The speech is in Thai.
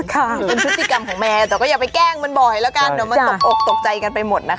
เป็นพฤติกรรมของแมวแต่ก็อย่าไปแกล้งมันบ่อยแล้วกันเดี๋ยวมันตกอกตกใจกันไปหมดนะคะ